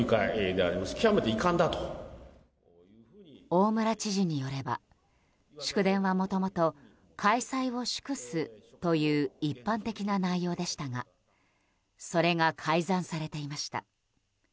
大村知事によれば祝電は、もともと開催を祝すという一般的な内容でしたがそれが改ざんされていました。